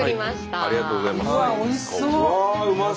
ありがとうございます。